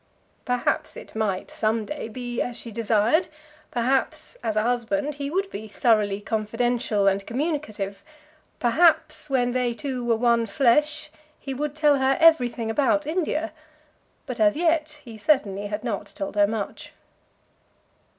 Perhaps it might some day be as she desired; perhaps as a husband he would be thoroughly confidential and communicative; perhaps when they two were one flesh he would tell her everything about India; but as yet he certainly had not told her much.